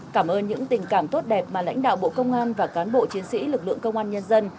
cảm ơn những tình cảm tốt đẹp mà lãnh đạo bộ công an và cán bộ chiến sĩ lực lượng công an nhân dân